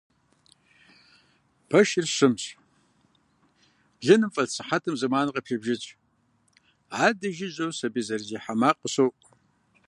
Пэшыр щымщ, блыным фӏэлъ сыхьэтым зэманыр къыпебжыкӏ, адэ жыжьэу сэбий зэрызехьэ макъ къыщоӏу.